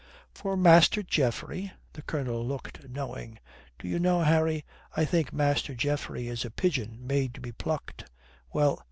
"For Master Geoffrey?" The Colonel looked knowing. "Do you know, Harry, I think Master Geoffrey is a pigeon made to be plucked. Well.